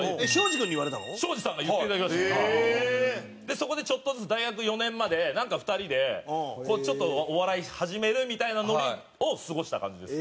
そこでちょっとずつ大学４年までなんか２人でちょっとお笑い始めるみたいなノリを過ごした感じです。